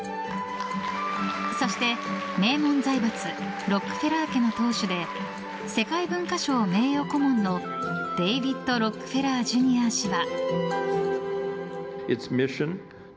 そして名門財閥ロックフェラー家の当主で世界文化賞名誉顧問のデイヴィッド・ロックフェラー・ジュニア氏は。